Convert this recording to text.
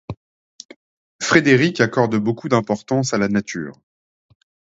Frédérique accorde beaucoup d'importance à la Nature.